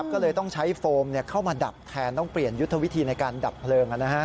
ก็เลยต้องใช้โฟมเข้ามาดับแทนต้องเปลี่ยนยุทธวิธีในการดับเพลิง